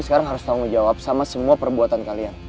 sekarang harus tanggung jawab sama semua perbuatan kalian